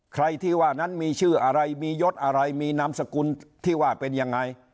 ใครที่ว่านั้นมีชื่ออะไรมียศอะไรมีนามสกุลที่ว่าเป็นยังไง